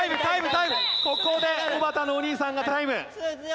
ここでおばたのお兄さんがタイム。